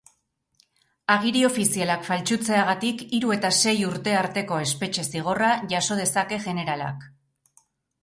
Agiri ofizialak faltsutzeagatik hiru eta sei urte arteko espetxe-zigorra jaso dezake jeneralak.